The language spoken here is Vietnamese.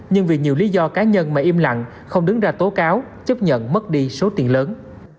nhưng vì nhiều lý do cá nhân mà im lặng không đứng ra tố cáo chấp nhận mất đi số tiền lớn